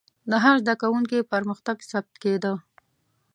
د هر زده کوونکي پرمختګ ثبت کېده.